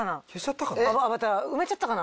埋めちゃったかな？